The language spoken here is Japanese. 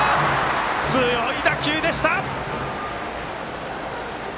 強い打球でした。